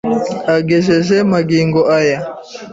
Agejeje magingo aya